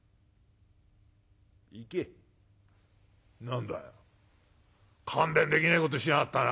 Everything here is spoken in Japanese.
「何だよ勘弁できねえことしやがったな。